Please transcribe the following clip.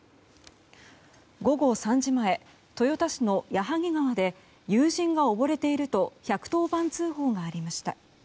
午後３時前、豊田市の矢作川で友人が溺れていると１１０番通報がありました。